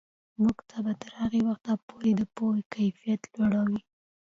موږ به تر هغه وخته پورې د پوهنې کیفیت لوړوو.